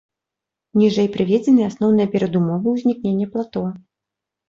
Ніжэй прыведзены асноўныя перадумовы ўзнікнення плато.